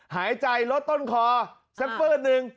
หายใจรถต้นคอแซกเฟิลดึง